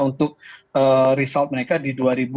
untuk result mereka di dua ribu dua puluh